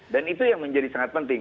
dan itu yang menjadi sangat penting